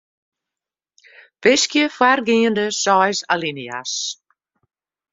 Wiskje foargeande seis alinea's.